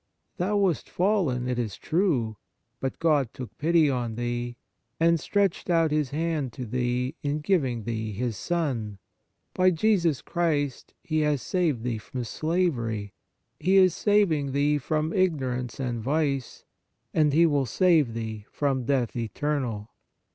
Thou wast fallen, it is true ; but God took pity on thee, and stretched out His hand to thee in 131 On Piety giving thee His Son ; by Jesus Christ He has saved thee from slavery ; He is saving thee from ignorance and vice, and He will save thee from death eternal.